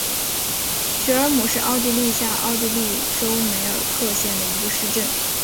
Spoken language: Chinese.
许尔姆是奥地利下奥地利州梅尔克县的一个市镇。